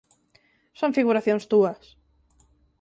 Son figuracións túas.